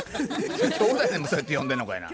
兄弟でもそうやって呼んでんのかいな。